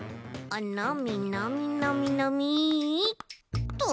あなみなみなみなみっと。